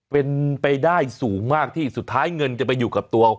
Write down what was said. เป็นไปได้สูงมากที่สุดท้ายเงินจะไปอยู่กับตัว